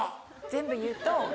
全部言うと？